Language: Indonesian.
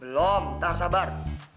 belom tak sabar